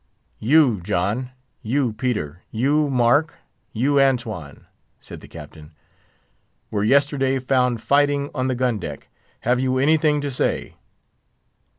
"You John, you Peter, you Mark, you Antone," said the Captain, "were yesterday found fighting on the gun deck. Have you anything to say?"